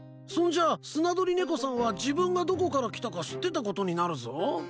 そんじゃあスナドリネコさんは自分がどこから来たか知ってたことになるぞ。